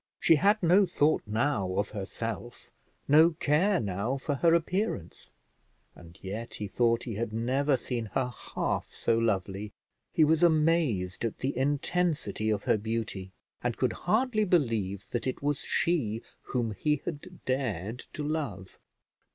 She had no thought now of herself, no care now for her appearance; and yet he thought he had never seen her half so lovely; he was amazed at the intensity of her beauty, and could hardly believe that it was she whom he had dared to love.